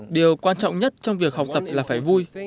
điều quan trọng nhất trong việc học tập là phải vui